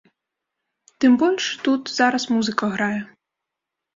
Тым больш тут зараз музыка грае.